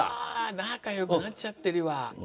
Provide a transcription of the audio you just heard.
仲よくなっちゃってるわ。